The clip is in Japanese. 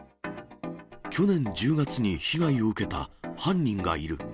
去年１０月に被害を受けた犯人がいる。